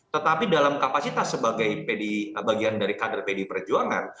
tetapi dalam kapasitas sebagai bagian dari kader pdi perjuangan